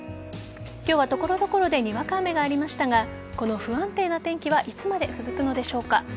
今日は所々でにわか雨がありましたがこの不安定な天気はいつまで続くのでしょうか。